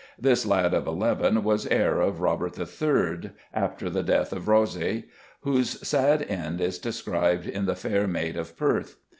This lad of eleven was heir of Robert III., after the death of Rothesay, whose sad end is described in The Fair Maid of Perth.